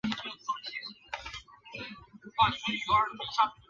柳词的高雅处则受历来文学评论家赞不绝口。